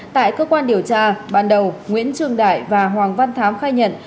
tại cơ quan điều tra ban đầu nguyễn trương đại và hoàng văn thám khai nhận